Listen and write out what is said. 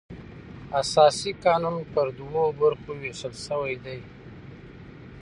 اساسي قانون پر دوو برخو وېشل سوى دئ.